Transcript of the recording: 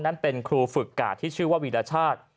นั้นเป็นครูฝึกกาดที่ชื่อว่าวีรชาติ